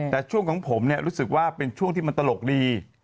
แต่ช่วงของผมรู้สึกว่าเป็นช่วงที่มันตลกดี